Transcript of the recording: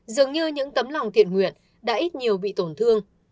dường như những tấm lòng thiện nguyện đã ít nhiều bị tổn thương